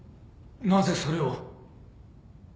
なぜそれを。